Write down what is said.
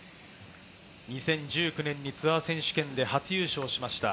２０１９年にツアー選手権で初優勝しました。